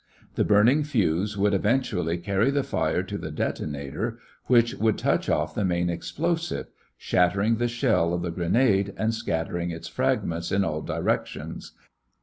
The burning fuse would eventually carry the fire to the detonator E, which would touch off the main explosive, shattering the shell of the grenade and scattering its fragments in all directions.